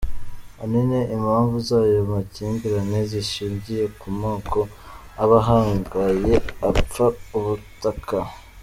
Ahanini impamvu z’ayo makimbirane zishingiye ku moko, aba ahangaye apfa ubutaka.